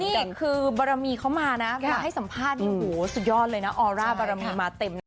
นี่คือบารมีเขามานะมาให้สัมภาษณ์สุดยอดเลยนะออร่าบารมีมาเต็ม